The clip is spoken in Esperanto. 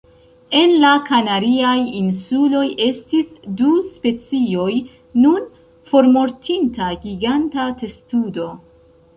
En la Kanariaj Insuloj estis du specioj nun formortinta giganta testudo.